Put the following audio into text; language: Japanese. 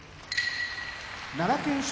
奈良県出